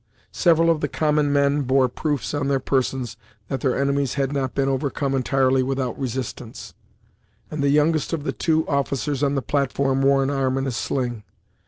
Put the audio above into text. Several of the common men bore proofs on their persons that their enemies had not been overcome entirely without resistance, and the youngest of the two officers on the platform wore an arm in a sling.